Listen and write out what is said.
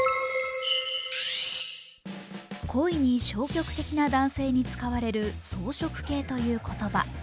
恋に消極的な男性に使われる草食系という言葉。